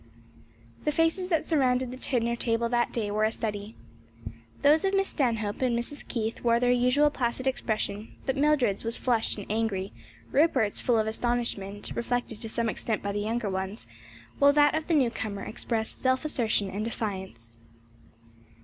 The faces that surrounded the dinner table that day were a study. Those of Miss Stanhope and Mrs. Keith wore their usual placid expression, but Mildred's was flushed and angry, Rupert's full of astonishment, reflected to some extent by the younger ones, while that of the new comer expressed self assertion and defiance.